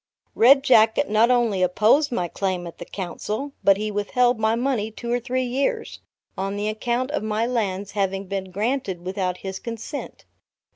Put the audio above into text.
Red Jacket not only opposed my claim at the Council, but he withheld my money two or three years, on the account of my lands having been granted without his consent.